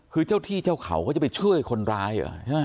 คือเจ้าที่เจ้าเขาก็จะไปช่วยคนร้ายเหรอใช่ไหม